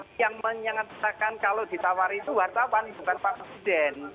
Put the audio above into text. jadi yang menyenangkan kalau ditawari itu wartawan bukan pak presiden